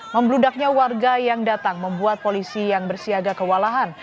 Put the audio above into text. membludaknya warga yang datang membuat polisi yang bersiaga kewalahan